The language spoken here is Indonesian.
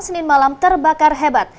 senin malam terbakar hebat